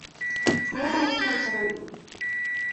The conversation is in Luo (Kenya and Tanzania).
Tuo mane machandi